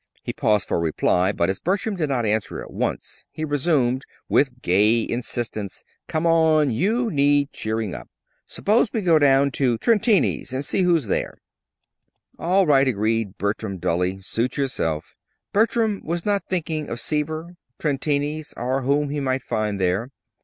He paused for reply, but as Bertram did not answer at once, he resumed, with gay insistence: "Come on! You need cheering up. Suppose we go down to Trentini's and see who's there." "All right," agreed Bertram, dully. "Suit yourself." Bertram was not thinking of Seaver, Trentini's, or whom he might find there.